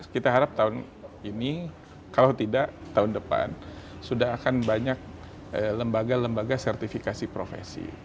kita harap tahun ini kalau tidak tahun depan sudah akan banyak lembaga lembaga sertifikasi profesi